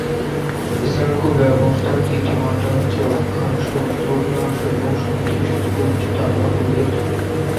স্থানাঙ্ক ব্যবস্থার তিনটি মাত্রা হচ্ছে অক্ষাংশ, দ্রাঘিমাংশ এবং সমুদ্রপৃষ্ঠ থেকে উচ্চতা বা গভীরতা।